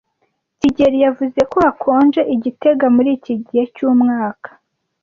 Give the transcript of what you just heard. kigeli yavuze ko hakonje i gitega muri iki gihe cyumwaka.